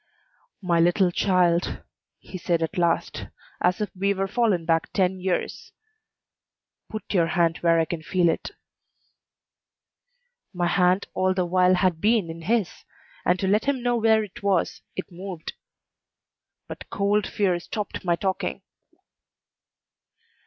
"My little child," he said at last, as if we were fallen back ten years, "put your hand where I can feel it." My hand all the while had been in his, and to let him know where it was, it moved. But cold fear stopped my talking.